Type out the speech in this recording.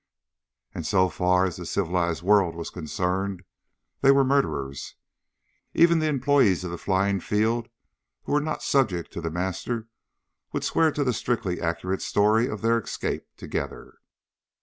And so far as the whole civilized world was concerned they were murderers. Even the employees of the flying field who were not subject to The Master would swear to the strictly accurate story of their escape together.